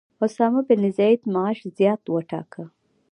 اسامه بن زید معاش زیات وټاکه.